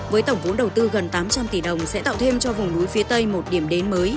với tổng vốn đầu tư gần tám trăm linh tỷ đồng sẽ tạo thêm cho vùng núi phía tây một điểm đến mới